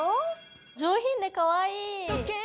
上品でかわいい！